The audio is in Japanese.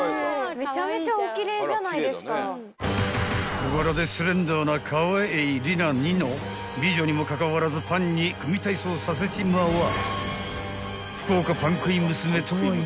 ［小柄でスレンダーな川栄李奈似の美女にもかかわらずパンに組体操させちまう］